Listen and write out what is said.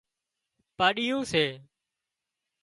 پاڏيون سي